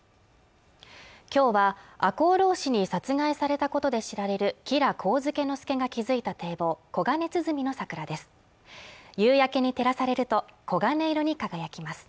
今日は赤穂浪士に殺害されたことで知られる吉良上野介が築いた堤防黄金堤の桜です